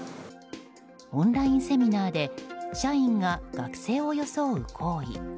オンラインセミナーで社員が学生を装う行為。